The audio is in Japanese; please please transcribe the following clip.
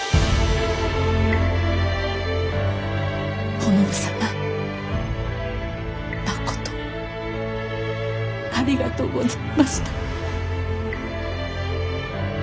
お信様まことありがとうございました！